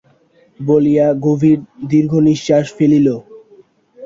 বলিয়া গভীর দীর্ঘনিশ্বাস ফেলিল।